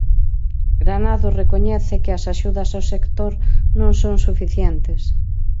Granados recoñece que as axudas ao sector "non son suficientes".